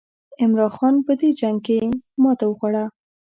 عمرا خان په دې جنګ کې ماته وخوړه.